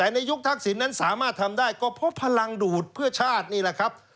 แต่ในยุคทักษิณนั้นสามารถทำได้ก็เพราะพลังดูดเพื่อชาตินี่แหละครับ